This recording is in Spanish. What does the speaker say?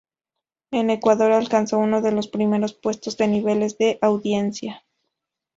En Ecuador alcanzó uno de los primeros puestos de niveles de audiencia.